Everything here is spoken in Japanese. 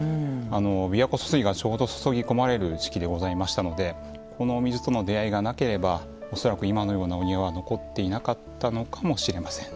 琵琶湖疏水がちょうど注ぎ込まれる時期でございましたのでこのお水との出会いがなければ恐らく今のようなお庭は残っていなかったのかもしれません。